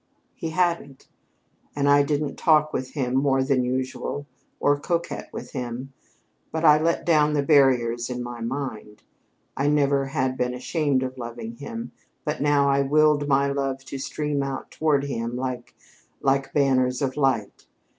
"He hadn't; and I didn't talk with him more than usual or coquette with him. But I let down the barriers in my mind. I never had been ashamed of loving him, but now I willed my love to stream out toward him like like banners of light.